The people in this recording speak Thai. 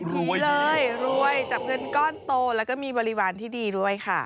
ทีเลยรวยจับเงินก้อนโตแล้วก็มีบริวารที่ดีด้วยค่ะ